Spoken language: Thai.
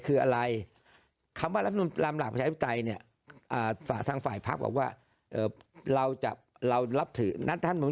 คืออะไรคำว่ารหภัยพระภิกษาภาคพรรณานั้น